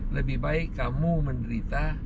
lebih baik kamu menderita